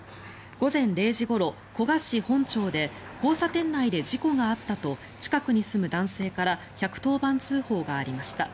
午前０時ごろ、古河市本町で交差点内で事故があったと近くに住む男性から１１０番通報がありました。